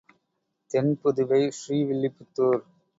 தென் புதுவை ஸ்ரீ வில்லிபுத்தூர்.